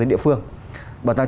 bảo tàng trung ương